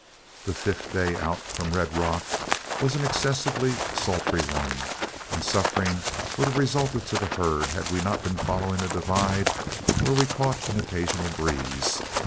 The fifth day out from Red Rock was an excessively sultry one, and suffering would have resulted to the herd had we not been following a divide where we caught an occasional breeze.